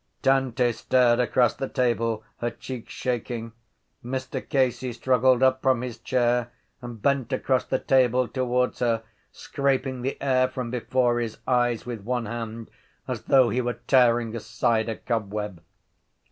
Dante stared across the table, her cheeks shaking. Mr Casey struggled up from his chair and bent across the table towards her, scraping the air from before his eyes with one hand as though he were tearing aside a cobweb.